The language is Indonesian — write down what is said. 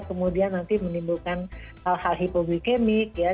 kemudian nanti menimbulkan hal hal hipoglikemik ya